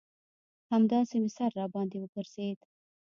همداسې مې سر راباندې وگرځېد.